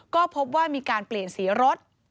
ก็พบว่ามีการเปลี่ยนสีรถ